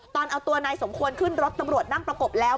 ตอนเอาตัวนายสมควรขึ้นรถตำรวจนั่งประกบแล้ว